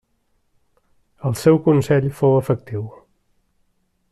El seu consell fou efectiu.